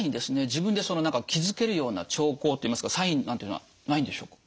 自分でその何か気付けるような兆候っていいますかサインなんていうのはないんでしょうか？